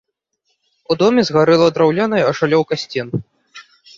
У доме згарэла драўляная ашалёўка сцен.